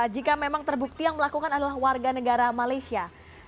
jika memang terbukti yang melakukan adalah warga negara malaysia